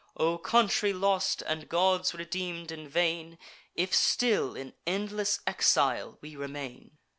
O country lost, and gods redeem'd in vain, If still in endless exile we remain!